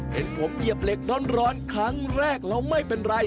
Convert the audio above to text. เห็นผมเหยียบเหล็กร้อนครั้งแรกแล้วไม่เป็นไร